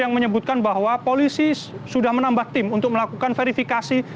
yang menyebutkan bahwa polisi sudah menambah tim untuk melakukan verifikasi